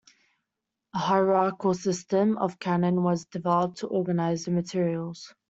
A hierarchical system of canon was developed to organize the materials.